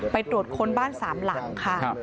ไปตรวจคนบ้านสามลำ